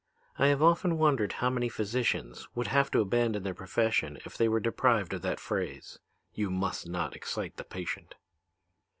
I have often wondered how many physicians would have to abandon their profession if they were deprived of that phrase. 'You must not excite the patient.'